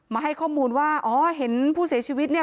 ให้ข้อมูลว่าอ๋อเห็นผู้เสียชีวิตเนี่ย